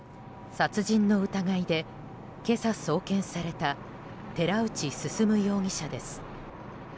殺人の疑いで今朝送検された寺内進容疑者です。